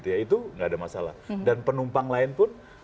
tidak ada masalah dan penumpang lain pun